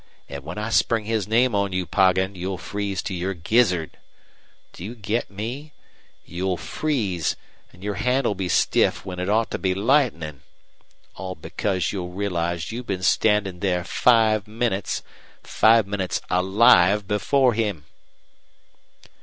An' when I spring his name on you, Poggin, you'll freeze to your gizzard. Do you get me? You'll freeze, an' your hand'll be stiff when it ought to be lightnin' All because you'll realize you've been standin' there five minutes five minutes ALIVE before him!"